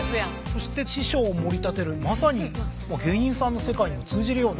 そして師匠をもり立てるまさに芸人さんの世界にも通じるような。